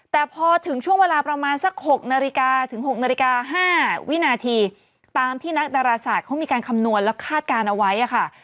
แต่พอถึงช่วงเวลาประมาณสัก๖นาฬิกาถึง๖นาฬิกา๕วินาทีตามที่นักดาราศาสตร์เขามีการคำนวณแล้วคาดการณ์เอาไว้ค่ะ